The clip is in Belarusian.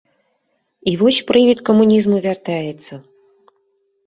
І вось прывід камунізму вяртаецца.